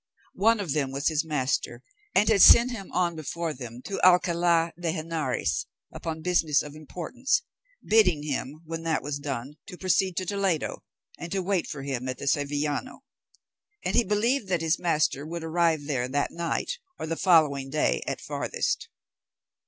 One of them was his master, and had sent him on before them to Alcalá de Henares upon business of importance, bidding him, when that was done, to proceed to Toledo, and wait for him at the Sevillano; and he believed that his master would arrive there that night or the following day at farthest.